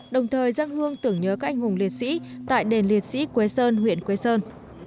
đồng thời dân hương tưởng nhớ các anh hùng liệt sĩ tại đền liệt sĩ quế sơn huyện quế sơn